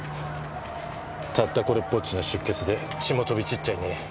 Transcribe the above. たったこれっぽっちの出血で血も飛び散っちゃいねえや。